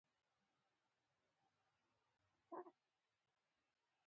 ښایست د کتابونو پاڼو ته هم ورننوتی دی